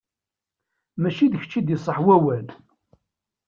Mačči d kečč i d-iṣaḥ wawal.